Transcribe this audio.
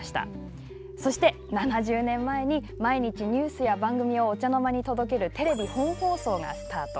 そして７０年前に毎日ニュースや番組をお茶の間に届けるテレビ本放送がスタート。